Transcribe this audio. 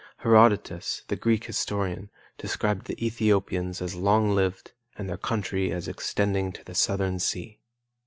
Herodotus, the Greek historian, described the Ethiopians as long lived and their country as extending to the Southern Sea.